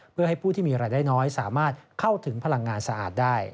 เพื่อให้ผู้ที่มีรายได้น้อยสามารถเข้าถึงพลังงานสะอาดได้